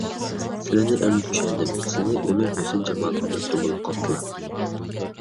سىلىنى ئەمدى چۈشەندىم، سىلى ئۇنىڭ ھۆسن - جامالىغا مەپتۇن بولۇپ قاپتىلا.